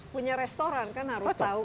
punya restoran kan harus tahu